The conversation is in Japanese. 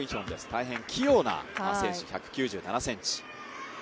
大変器用な選手、１９７ｃｍ。